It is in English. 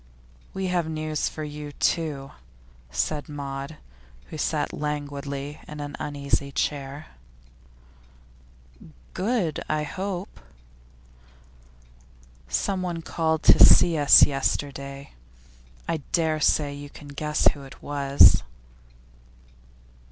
'We have news for you, too,' said Maud, who sat languidly on an uneasy chair. 'Good, I hope?' 'Someone called to see us yesterday. I dare say you can guess who it was.